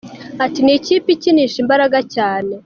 Ati “Ni ikipe ikinisha imbaraga cyane.